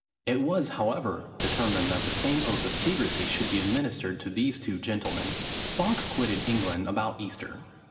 It was, however, determined that the same oath of secresy should be administered to these two gentlemen. Fawkes quitted England about Easter.